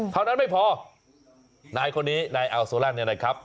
เท่านั้นไม่พอนายคนนี้นายอัลโซแลนด์เนี่ยนะครับ